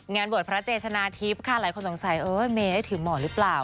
บวชพระเจชนะทิพย์ค่ะหลายคนสงสัยเมย์ได้ถือหมอนหรือเปล่า